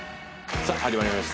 さぁ始まりました